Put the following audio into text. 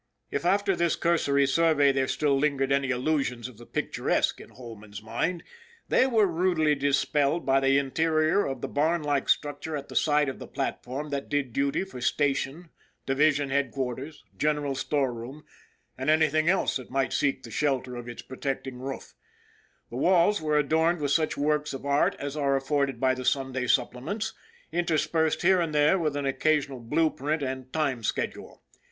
If after this cursory survey there still lingered any illusions of the picturesque in Holman's mind, they were rudely dispelled by the interior of the barn like structure at the side of the platform that did duty for station, division headquarters, general storeroom, and anything else that might seek the shelter of its pro 4 ON THE IRON AT BIG CLOUD tecting roof. The walls were adorned with such works of art as are afforded by the Sunday supple ments, interspersed here and there with an occasional blue print and time schedule.